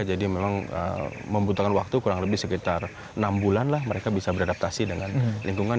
jadi memang membutuhkan waktu kurang lebih sekitar enam bulan lah mereka bisa beradaptasi dengan lingkungan